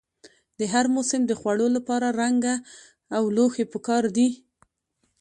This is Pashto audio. د هر موسم د خوړو لپاره رنګه لوښي پکار دي.